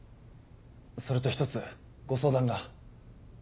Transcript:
それと一つご相談が。